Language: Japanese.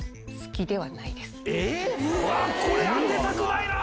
これ当てたくないな！